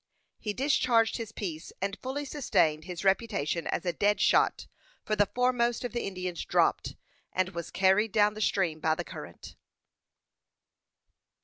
He discharged his piece, and fully sustained his reputation as a dead shot, for the foremost of the Indians dropped, and was carried down the stream by the current.